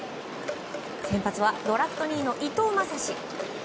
先発はドラフト２位の伊藤将司。